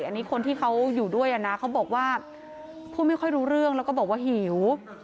อันนี้คนที่เขาอยู่ด้วยนะเขาบอกว่าพูดไม่ค่อยรู้เรื่องแล้วก็บอกว่าหิว